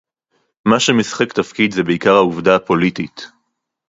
מה שמשחק תפקיד זה בעיקר העובדה הפוליטית